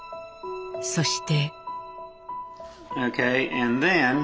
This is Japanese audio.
そして。